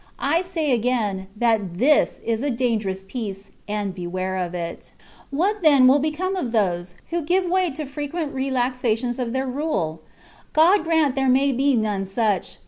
I say again, that this is a dangerous peace, and beware of it. What, then, will become of those who give way to frequent relaxatiotis of their rule ? God grant there may be none such.